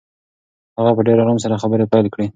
هغه په ډېر آرام سره خبرې پیل کړې.